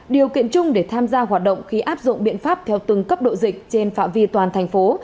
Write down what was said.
điều kiện chung để tham gia hoạt động khi áp dụng biện pháp theo từng cấp độ dịch trên phạm vi toàn thành phố